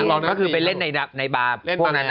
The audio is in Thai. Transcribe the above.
นักร้องนักบริมทรีย์ก็คือไปเล่นในบาร์พวกนั้น